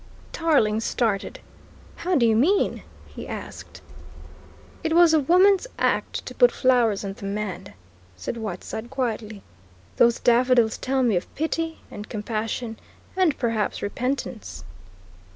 Tarling started. "How do you mean?" he asked. "It was a woman's act to put flowers on the man," said Whiteside quietly. "Those daffodils tell me of pity and compassion, and perhaps repentance."